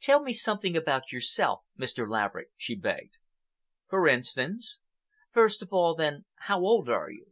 "Tell me something about yourself, Mr. Laverick," she begged. "For instance?" "First of all, then, how old are you?"